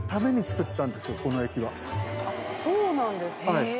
そうなんですか。